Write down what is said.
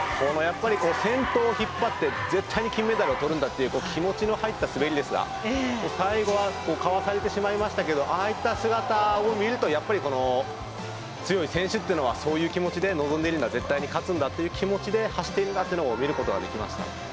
先頭を引っ張って絶対に金メダルをとるんだという気持ちの入った滑りですが最後はかわされてしまいましたがああいった姿を見るとやっぱり強い選手というのはそういう気持ちで臨んでいるんだ絶対に勝つんだという気持ちで走っているんだというものを見ることができましたね。